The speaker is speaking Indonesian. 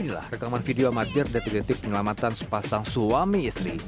inilah rekaman video amatir detik detik penyelamatan sepasang suami istri